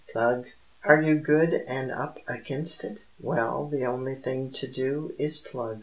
Plug! Are you good and up against it? Well, the only thing to do Is plug.